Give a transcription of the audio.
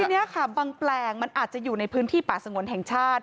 ทีนี้ค่ะบางแปลงมันอาจจะอยู่ในพื้นที่ป่าสงวนแห่งชาติ